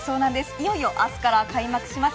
いよいよ明日から開幕します